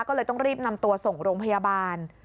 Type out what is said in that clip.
ก็เลยต้องรีบนำตัวส่งโรงพยาบาล